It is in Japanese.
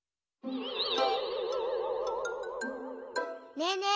ねえねえ